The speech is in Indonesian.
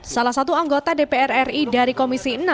salah satu anggota dpr ri dari komisi enam